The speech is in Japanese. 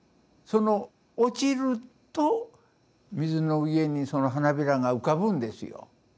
その落ちると水の上にその花びらが浮かぶんですよ。